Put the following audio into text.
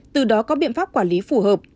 từ đó có biện pháp quản lý phù hợp